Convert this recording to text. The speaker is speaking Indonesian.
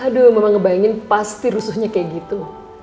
aduh mama ngebayangin pasti rusuhnya kayak gitu